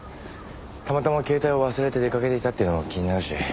たまたま携帯を忘れて出かけていたっていうのも気になるし。